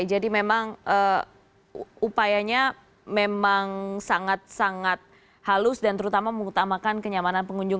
jadi memang upayanya memang sangat sangat halus dan terutama mengutamakan kenyamanan pengunjung